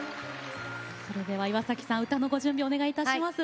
それでは岩崎さん歌のご準備お願いいたします。